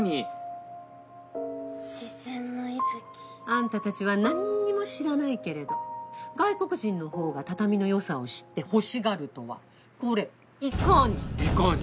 あんたたちは何にも知らないけれど外国人の方が畳の良さを知って欲しがるとはこれ。